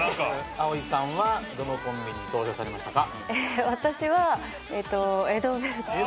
葵さんはどのコンビに投票されましたか？